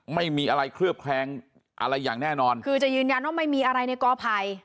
ไม่มีอะไรเคลือบแคลงอะไรอย่างแน่นอนคือจะยืนยันว่าไม่มีอะไรในกอภัย